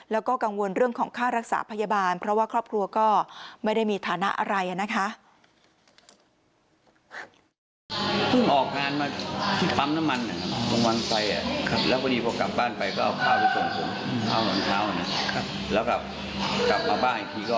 แล้วก็กังวลเรื่องของค่ารักษาพยาบาลเพราะว่าครอบครัวก็ไม่ได้มีฐานะอะไรนะคะ